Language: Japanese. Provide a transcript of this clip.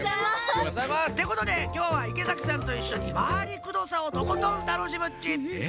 ってことできょうは池崎さんといっしょにまわりくどさをとことんたのしむっち！